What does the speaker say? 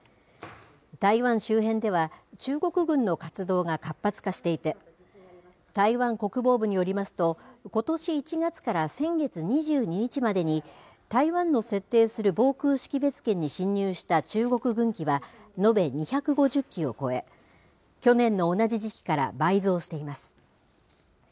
台湾周辺では、中国軍の活動が活発化していて、台湾国防部によりますと、ことし１月から先月２２日までに台湾の設定する防空識別圏に進入した中国軍機は、延べ２５０機を超え、去年の同じ時期から倍増しています。